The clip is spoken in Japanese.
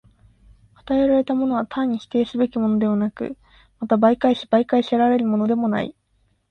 与えられたものは単に否定すべきものでもなく、また媒介し媒介せられるものでもない。